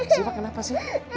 sipa kenapa sih